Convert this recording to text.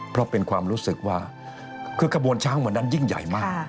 เพราะเป็นความรู้สึกว่าคือกระบวนช้างวันนั้นยิ่งใหญ่มาก